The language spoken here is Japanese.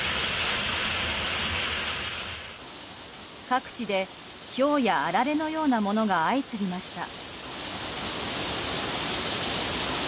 各地で、ひょうやあられのようなものが相次ぎました。